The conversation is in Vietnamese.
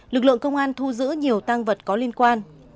lực lượng công an thu giữ nhiều tăng vật có liên quan